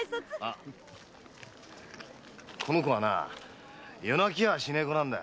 この子はなあ夜泣きはしねえ子なんだ。